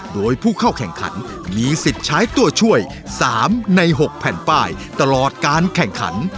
โดยผู้เข้าแข่งขันมีสิทธิ์ใช้ตัวช่วย๓ใน๖แผ่นป้ายตลอดการแข่งขัน